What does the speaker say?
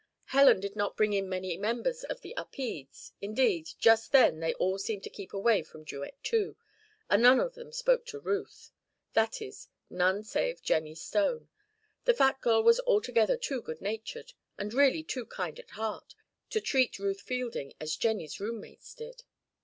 Helen did not bring in many members of the Upedes; indeed, just then they all seemed to keep away from Duet Two, and none of them spoke to Ruth. That is, none save Jennie Stone. The fat girl was altogether too good natured and really too kind at heart to treat Ruth Fielding as Jennie's roommates did.